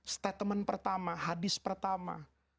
statement pertama hadis pertama